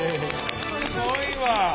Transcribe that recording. すごいわ。